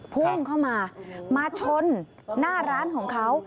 พุ่งเข้ามามาชนหน้าร้านของเขา